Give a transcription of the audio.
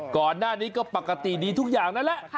ก่อนหน้านี้ก็ปกติดีทุกอย่างนั่นแหละ